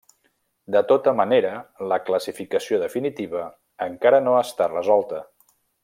De tota manera la classificació definitiva encara no està resolta.